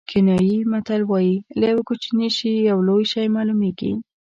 کینیايي متل وایي له یوه کوچني شي یو لوی شی معلومېږي.